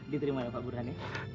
diterima ya pak burhan